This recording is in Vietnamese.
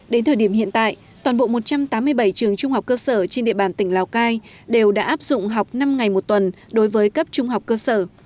đến thời điểm hiện tại toàn bộ một trăm tám mươi bảy trường trung học cơ sở trên địa bàn tỉnh lào cai đều đã áp dụng học năm ngày một tuần đối với cấp trung học cơ sở